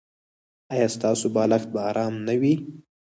ایا ستاسو بالښت به ارام نه وي؟